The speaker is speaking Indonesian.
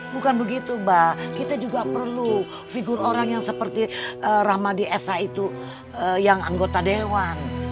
bukan begitu mbak kita juga perlu figur orang yang seperti rahmadi sh itu yang anggota dewan